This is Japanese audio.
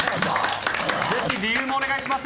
ぜひ理由もお願いします。